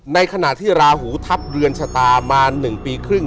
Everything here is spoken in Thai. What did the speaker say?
ในขณะที่ราหูทัพเรือนชะตามา๑ปีครึ่ง